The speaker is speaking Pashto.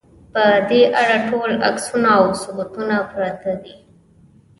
په دې اړه ټول عکسونه او ثبوتونه پراته دي.